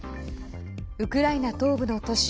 ウクライナ東部の都市